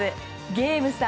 ゲーム差